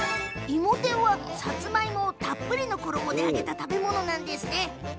いも天は、さつまいもをたっぷりの衣で揚げた食べ物。